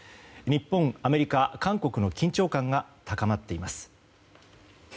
日本、アメリカ、韓国の緊張感が高まっています。